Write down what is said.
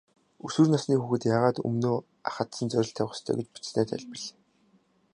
Өсвөр насны хүүхэд яагаад өмнөө ахадсан зорилт тавих ёстой гэж бичсэнээ тайлбарлая.